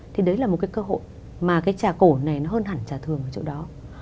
thì đấy là một cơ hội mà trà cổ này hơn hẳn trà thường ở chỗ đó